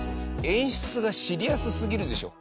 演出がシリアスすぎるでしょ。